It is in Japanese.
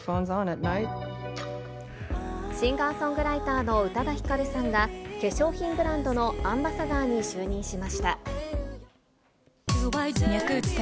シンガーソングライターの宇多田ヒカルさんが、化粧品ブランドのアンバサダーに就任しました。